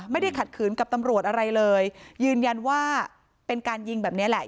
ขัดขืนกับตำรวจอะไรเลยยืนยันว่าเป็นการยิงแบบนี้แหละ